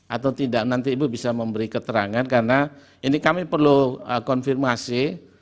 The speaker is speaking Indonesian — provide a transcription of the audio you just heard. atau tidak nanti ibu bisa memberi keterangan karena ini kami perlu konfirmasi